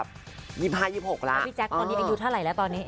พี่แจ๊คอัยอายุเท่าไหร่ละตอนนี้